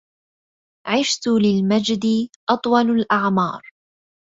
عشت للمجد أطول الأعمار